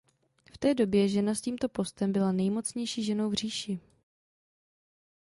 V té době žena s tímto postem byla nejmocnější ženou v říši.